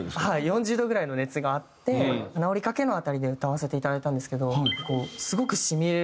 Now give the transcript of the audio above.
はい４０度ぐらいの熱があって治りかけの辺りで歌わせていただいたんですけど。